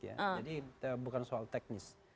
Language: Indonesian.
jadi bukan soal teknis